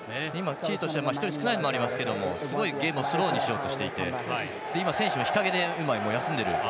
チリとしては１人少ないのもありますけどゲームをスローにしようとしていて今、選手が日陰で休んでいる。